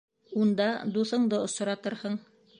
Унда дуҫыңды осратырһың.